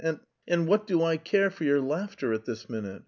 and what do I care for your laughter at this minute!